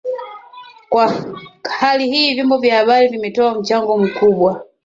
Kwa hali hii vyombo vya habari vimetoa mchango mkubwa